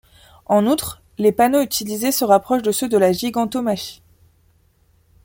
En outre les panneaux utilisés se rapprochent de ceux de la gigantomachie.